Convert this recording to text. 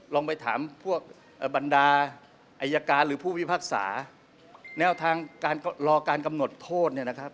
ลองไปถามพวกบรรดาไอยการหรือผู้วิพากษาแนวทางรอการกำหนดโทษ